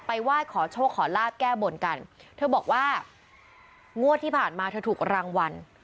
ไหว้ขอโชคขอลาบแก้บนกันเธอบอกว่างวดที่ผ่านมาเธอถูกรางวัล